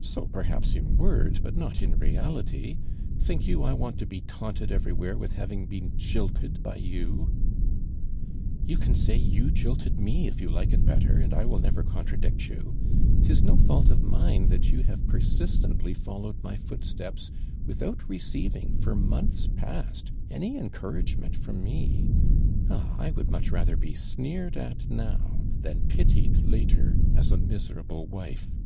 "So, perhaps, in word, but not in reality. Think you I want to be taunted everywhere witli having been jilted by you?" "You can say you jilted mo, if you like it better, and I will never contnuiict you. 'Tis no fault of mine that you havo per sistently followed my footsteps, without re ceiving, for months past, any encourago inent from me. Ah ![ would much rather be sneered at now than pitied later as a miserable wife."